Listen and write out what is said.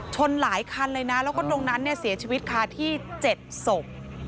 ชนหลายคันเลยนะแล้วก็ตรงนั้นเนี่ยเสียชีวิตคาที่๗ศพ